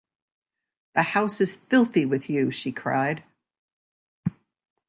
“The house is filthy with you,” she cried.